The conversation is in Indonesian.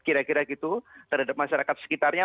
kira kira gitu terhadap masyarakat sekitarnya